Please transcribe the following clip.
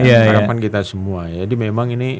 harapan kita semua ya jadi memang ini